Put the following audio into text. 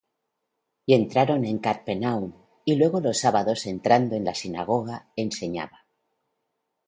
Y entraron en Capernaum; y luego los sábados, entrando en la sinagoga, enseñaba.